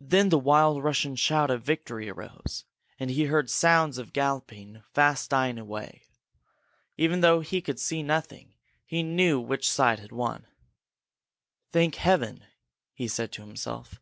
Then the wild Russian shout of victory arose, and he heard sounds of galloping fast dying away. Even though he could see nothing, he knew which side had won. "Thank Heaven!" he said to himself.